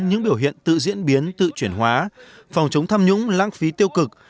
những biểu hiện tự diễn biến tự chuyển hóa phòng chống tham nhũng lãng phí tiêu cực